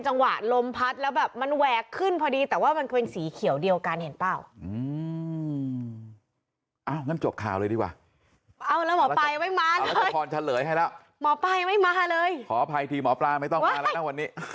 เย็นวินโดว์ด้วยไหมเนี้ยอ้าวคุณผู้ชมครับวันนี้นี่ไอ้พี่แบบ